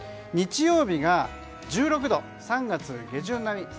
日曜日が１６度、３月下旬並み。